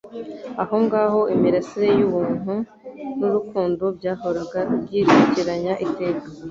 Aho ngaho imirasire y'ubuntu n'urukundo byahoraga byisukiranya iteka,